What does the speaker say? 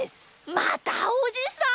またおじさん？